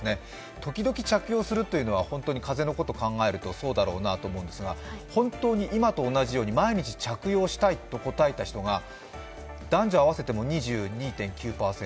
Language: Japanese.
時々着用するというのは、本当に風邪のことを考えるとそうだろうなと思うんですが、本当に今と同じように毎日、着用したいと答えた人が男女合わせても２２．９％。